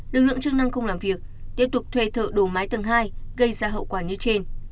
lực lượng chức năng không làm việc tiếp tục thuê thợ đổ mái tầng hai gây ra hậu quả như trên